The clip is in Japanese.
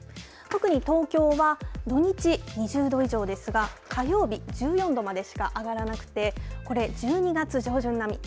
特に東京は、土日、２０度以上ですが、火曜日、１４度までしか上がらなくて、これ、１２月上旬並み。